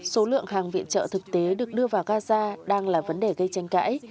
số lượng hàng viện trợ thực tế được đưa vào gaza đang là vấn đề gây tranh cãi